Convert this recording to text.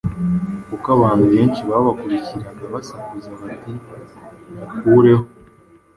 kuko abantu benshi babakurikiraga basakuza bati ‘Mukureho!’